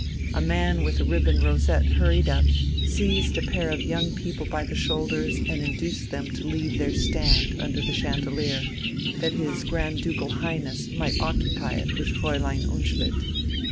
A man with a ribbon rosette hurried up, seized a pair of young people by the shoulders and induced them to leave their stand under the chandelier, that his Grand Ducal Highness might occupy it with Fräulein Unschlitt.